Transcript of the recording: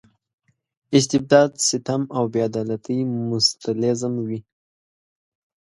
استبداد ستم او بې عدالتۍ مستلزم وي.